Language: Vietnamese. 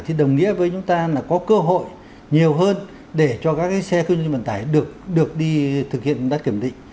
thì đồng nghĩa với chúng ta là có cơ hội nhiều hơn để cho các cái xe không kinh doanh vận tải được đi thực hiện đăng kiểm định